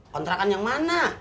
kontra kan yang mana